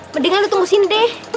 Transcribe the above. mendingan lu tunggu sini deh